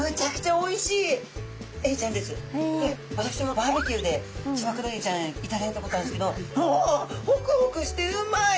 で私もバーベキューでツバクロエイちゃんいただいたことあるんですけど「おお！ほくほくしてうまい！」